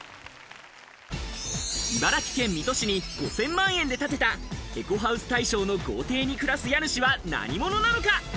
茨城県水戸市に５０００万円で建てたエコハウス大賞の豪邸に暮らす家主は何者なのか？